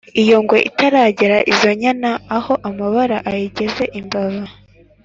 Iyo ngwe itaragera izo nyana Aho amabara ayigeze imbavu,